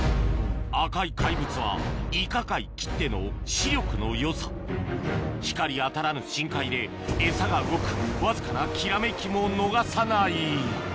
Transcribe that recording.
赤い怪物はイカ界きっての視力のよさ光当たらぬ深海でエサが動くわずかなきらめきも逃さない